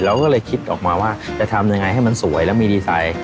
เราก็เลยคิดออกมาว่าจะทำยังไงให้มันสวยแล้วมีดีไซน์